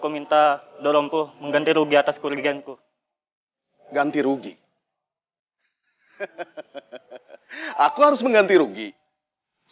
di developers bisa lihat apakah membotol obecnya